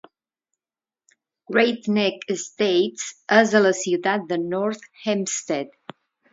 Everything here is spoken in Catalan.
Great Neck Estates és a la ciutat de North Hempstead.